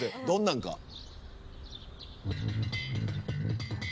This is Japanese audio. どんなんか。